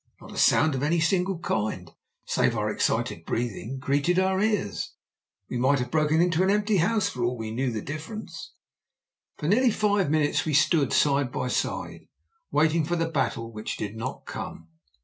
Not a sound of any single kind, save our excited breathing, greeted our ears. We might have broken into an empty house for all we knew the difference. For nearly five minutes we stood, side by side, waiting for the battle which did not come.